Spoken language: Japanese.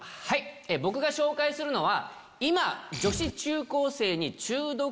僕が紹介するのは。